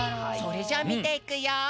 それじゃみていくよ。